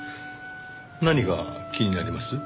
何が気になります？